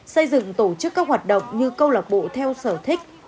xây dựng tổ chức các hoạt động như câu lạc bộ theo sở thích